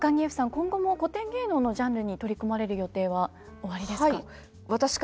今後も古典芸能のジャンルに取り組まれる予定はおありですか？